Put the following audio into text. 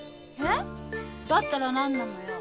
だったら何なのよ！